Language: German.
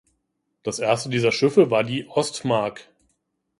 Das erste dieser Schiffe war die "Ostmark".